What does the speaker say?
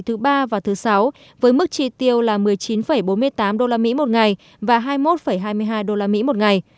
thủ đô hà nội đứng đầu với mức chi tiêu rẻ với mức trung bình là một mươi chín bốn mươi tám usd một ngày và hai mươi một hai mươi hai usd một ngày